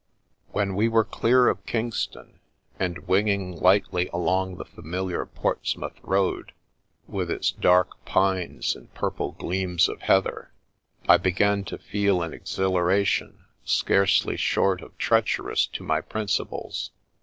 When we were clear of Kingston, and winging lightly along the familiar Portsmouth Road, witii its dark pines and purple gleams of heather, I be gan to feel an exhilaration scarcely short of treach erous to my principles.